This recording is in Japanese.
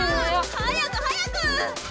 早く早く！